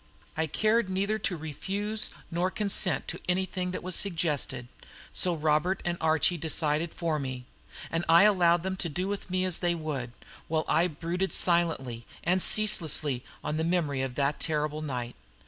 I cared neither to refuse nor consent to anything that was suggested; so Robert and Archie decided for me, and I allowed them to do with me as they would, while I brooded silently and ceaselessly on the memory of that terrible night.